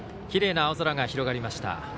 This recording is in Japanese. きれいな青空が広がりました。